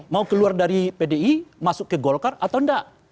mau keluar dari pdi masuk ke golkar atau enggak